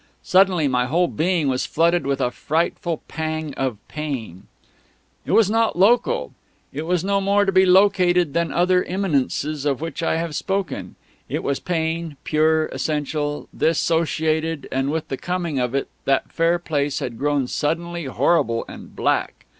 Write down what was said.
Suddenly my whole being was flooded with a frightful pang of pain. It was not local. It was no more to be located than the other immanences of which I have spoken. It was Pain, pure, essential, dissociated; and with the coming of it that fair Place had grown suddenly horrible and black.